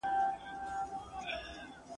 رباب او سارنګ ژبه نه لري !.